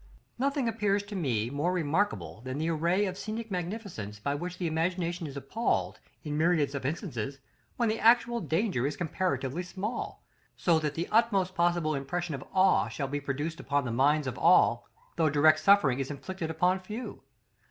Nothing appears to me more remarkable than the array of scenic magnificence by which the imagination is appalled, in myriads of instances, when the actual danger is comparatively small; so that the utmost possible impression of awe shall be produced upon the minds of all, though direct suffering is inflicted upon few.